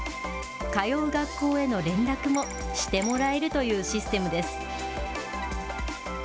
通う学校への連絡もしてもらえるというシステムです。